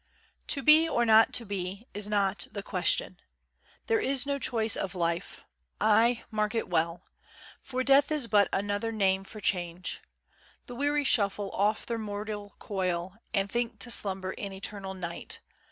"To be, or not to be," is not "the question;" There is no choice of Life. Ay, mark it well! For Death is but another name for Change. The weary shuffle off their mortal coil, And think to slumber in eternal night.